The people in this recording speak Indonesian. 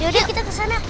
yaudah kita kesana